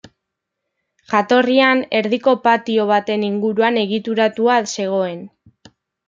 Jatorrian, erdiko patio baten inguruan egituratua zegoen.